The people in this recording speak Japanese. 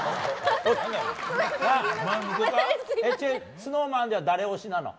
ＳｎｏｗＭａｎでは誰推しなの？